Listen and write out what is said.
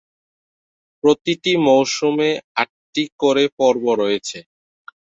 প্রতিটি মৌসুমে আটটি করে পর্ব রয়েছে।